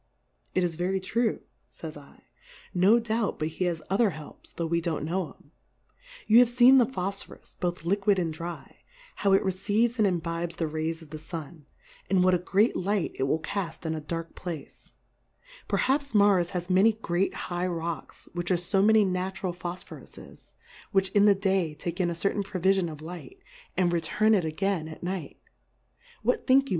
It is very true, fays I \ no doubt but he has other helps, tho' we don't know 'em : You have feen the Fhof fhoms^ both hquid and dry, how it re« ceives and imbibes tlie Rays of the Sun, and what a great Light it will caft in a dark Place : Perhaps Mars has many great high Rocks, which are fo many Natural Pbojl^horf^fesj which in the Day take in a certain provifion of Light, and return it again at Nights What think you.